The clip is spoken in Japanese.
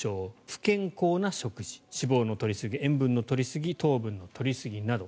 不健康な食事脂肪の取りすぎ、塩分の取りすぎ糖分の取りすぎなど。